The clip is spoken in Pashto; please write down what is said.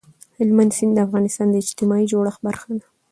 هلمند سیند د افغانستان د اجتماعي جوړښت برخه ده.